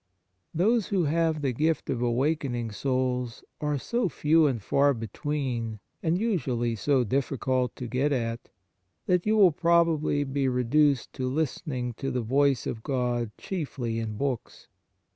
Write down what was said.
Those who have the gift of awaken ing souls are so few and far between, and usually so difficult to get at, that you will probably be reduced to listening to the voice of God chiefly in books.